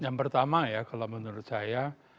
yang pertama ya kalau menurut saya